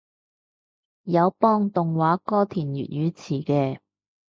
有幫動畫歌填粵語詞嘅